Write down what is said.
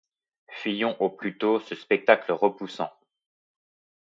Fuyons au plus tôt ce spectacle repoussant!